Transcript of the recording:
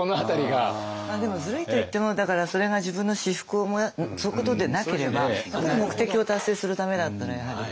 でもズルいと言ってもだからそれが自分の私腹をそういうことでなければ目的を達成するためだったらやはり。